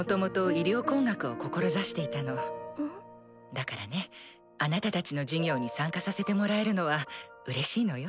だからねあなたたちの事業に参加させてもらえるのはうれしいのよ。